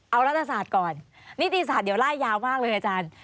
เอารัฐศาสตร์ก่อนนิติศาสตร์เดี๋ยวไล่ยาวมากเลยอาจารย์